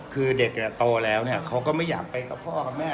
คือเด็กโตแล้วเขาก็ไม่อยากไปกับพ่อกับแม่